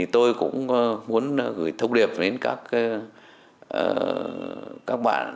tôi cũng muốn gửi thông điệp đến các bạn